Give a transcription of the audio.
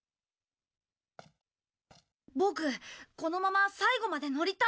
ボクこのまま最後まで乗りたい。